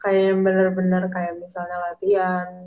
kayak bener bener kayak misalnya latihan